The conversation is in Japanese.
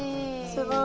すごい。